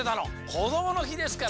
こどもの日ですから。